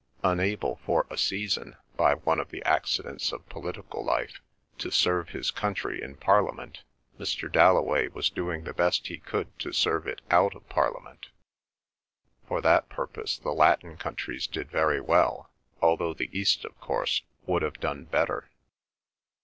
Unable for a season, by one of the accidents of political life, to serve his country in Parliament, Mr. Dalloway was doing the best he could to serve it out of Parliament. For that purpose the Latin countries did very well, although the East, of course, would have done better.